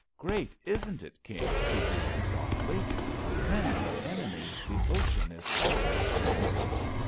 "Great, isn't it. King?" she breathed softly. "Friend or enemy, the ocean is always great."